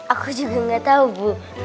aku juga gak tahu bu